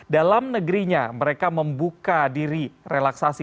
dalam negerinya mereka membuka diri relaksasi